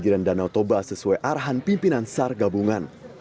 pembagian danau toba sesuai arahan pimpinan sar gabungan